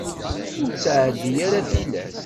Ur ttɛeddi ara tilas.